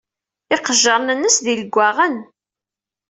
Iqejjaṛen-ines d ilewwaɣen.